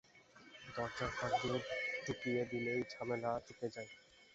দরজার ফাঁক দিয়ে ঢুকিয়ে দিলেই ঝামেলা চুকে যায়।